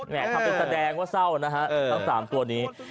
ทำเป็นแสดงว่าเศร้านะฮะทั้ง๓ตัวนี้